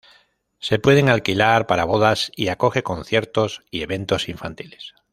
Se puede alquilar para bodas y acoge conciertos y eventos infantiles.